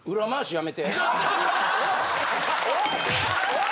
おい！